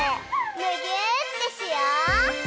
むぎゅーってしよう！